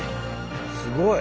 すごい！